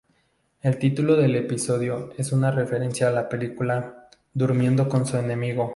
El título del episodio es una referencia a la película "Durmiendo con su enemigo".